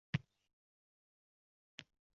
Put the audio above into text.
Yosh ochildi ko’zlarim.